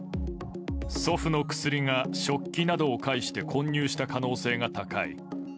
祖父の薬が食器などを介して混入した可能性が高い。